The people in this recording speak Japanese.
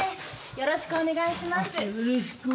よろしくお願いします。